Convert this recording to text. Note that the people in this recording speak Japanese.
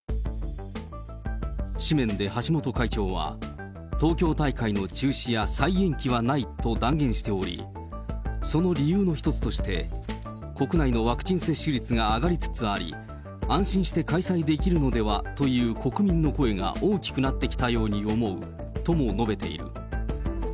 紙面で橋本会長は、東京大会の中止や再延期はないと断言しており、その理由の一つとして、国内のワクチン接種率が上がりつつあり、安心して開催できるのではという国民の声が大きくなってきたように思うとも述べている。